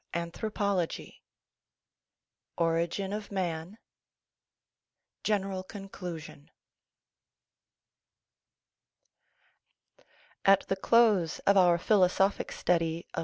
Anthropology Origin of Man Gen eral Conclusion A T the close of our philosophic study of